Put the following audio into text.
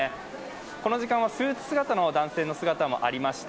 この時間はスーツ姿の男性の姿もありました。